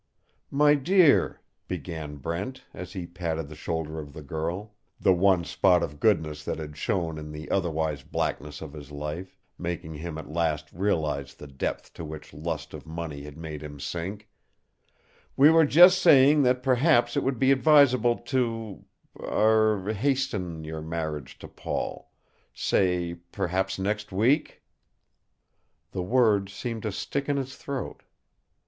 "My dear," began Brent, as he patted the shoulder of the girl, the one spot of goodness that had shone in the otherwise blackness of his life, making him at last realize the depth to which lust of money had made him sink, "we were just saying that perhaps it would be advisable to er hasten your marriage to Paul say perhaps next week." The words seemed to stick in his throat.